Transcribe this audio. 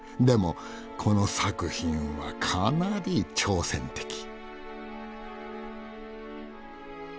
でもこの作品はかなり挑戦的。